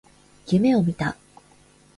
夢を見た。